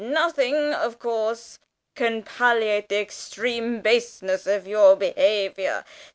Nothing, of course, can palliate the extreme baseness of your behaviour.